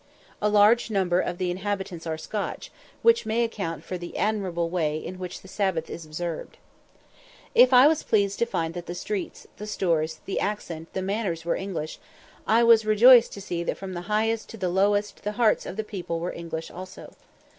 A large number of the inhabitants are Scotch, which may account for the admirable way in which the Sabbath is observed. If I was pleased to find that the streets, the stores, the accent, the manners were English, I was rejoiced to see that from the highest to the lowest the hearts of the people were English also.